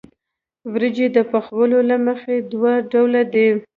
وریجې د پخولو له مخې دوه ډوله دي.